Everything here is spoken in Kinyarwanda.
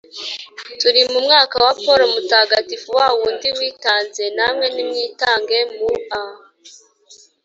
turi mu mwaka wa paul mutagatifu, wa wundi witanze. namwe nimwitange mu a